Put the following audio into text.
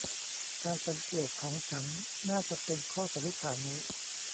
การสังเกตของฉันน่าจะเป็นข้อสันนิษฐานนี้